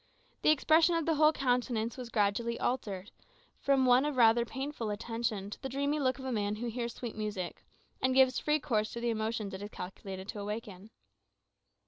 The expression of the whole countenance was gradually altered, from one of rather painful attention to the dreamy look of a man who hears sweet music, and gives free course to the emotions it is calculated to awaken.